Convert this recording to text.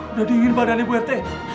udah dingin badannya bu rt